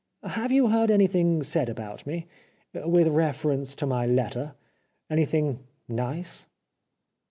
" Have you heard any thing said about me, with reference to my letter ? Anything nice